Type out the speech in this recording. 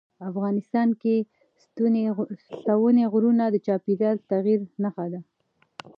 افغانستان کې ستوني غرونه د چاپېریال د تغیر نښه ده.